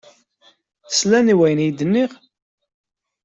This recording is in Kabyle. Slan i wayen ay d-nniɣ?